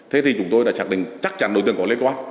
thế thì chúng tôi đã chắc chắn đối tượng có liên quan